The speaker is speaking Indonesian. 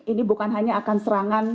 ini bukan hanya akan serangan